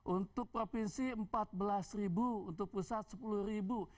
untuk provinsi empat belas ribu untuk pusat sepuluh ribu